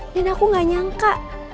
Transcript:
dan aku gak nyangka